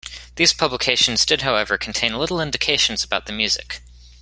These publications did however contain little indications about the music.